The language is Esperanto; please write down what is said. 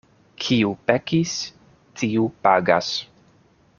Kiu pekis, tiu pagas.